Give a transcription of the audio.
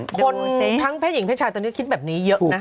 เพราะฉะนั้นแพทย์หญิงแพทย์ชายตอนนี้คิดแบบนี้เยอะนะ